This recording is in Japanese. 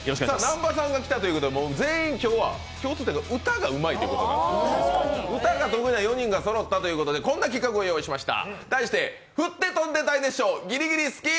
南波さんが来たということで、今日の共通点は歌が得意な４人がそろったということでこんな企画を用意しました。